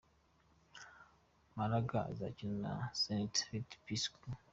Malaga izakina na Zenit St P’sbg.